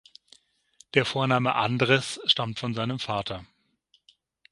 Der Vorname Andres stammt von seinem Vater.